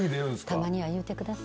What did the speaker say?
たまには言うてください。